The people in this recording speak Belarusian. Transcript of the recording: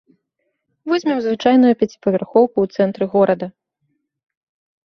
Возьмем звычайную пяціпавярхоўку ў цэнтры горада.